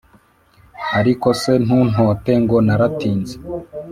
ariko se ntuntote ngo naratinze,